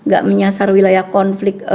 gak menyasar wilayah konflik